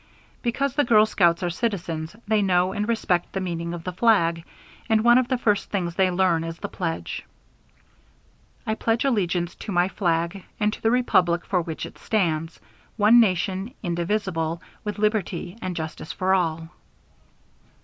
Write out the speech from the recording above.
Because the girl scouts are citizens they know and respect the meaning of the flag, and one of the first things they learn is the pledge: "I pledge allegiance to my flag, and to the Republic for which it stands; one Nation indivisible, with liberty and justice for all."